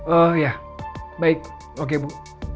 oh ya baik oke bu